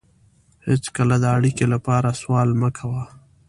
هېڅکله د اړیکې لپاره سوال مه کوه.